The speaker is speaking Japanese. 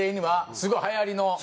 すごいはやりの。